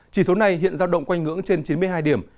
chỉ số này hiện giao động quanh ngưỡng trên chín mươi hai điểm